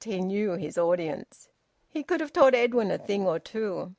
He knew his audience. He could have taught Edwin a thing or two.